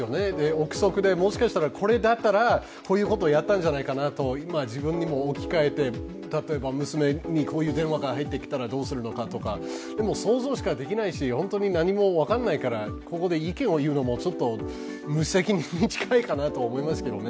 臆測で、もしかしたら、これだからこうやったんじゃないかとか自分にも置きかえて、例えば娘にこういう電話が入ってきたらどうするのかとか、でも、想像しかできないし、ホントに何も分からないからここで意見を言うのも無責任に近いかなと思いますけどね。